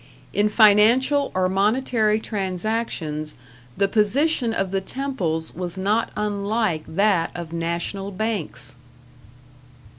In financial or monetary transactions the position of the temples was not unlike that of national banks....